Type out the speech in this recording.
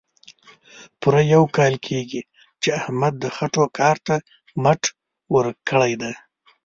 پوره یو کال کېږي، چې احمد د خټو کار ته مټ ورکړې ده.